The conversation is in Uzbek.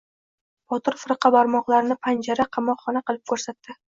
Botir firqa barmoqlarini panjara-qamoqxona qilib ko‘rsatdi.